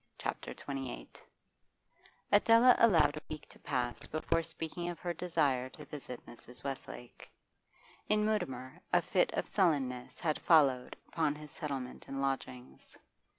CHAPTER XXVIII Adela allowed a week to pass before speaking of her desire to visit Mrs. Westlake. In Mutimer a fit of sullenness had followed upon his settlement in lodgings.